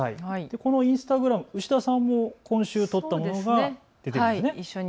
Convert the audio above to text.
このインスタグラム、牛田さんも今週撮ったものが出ていますね。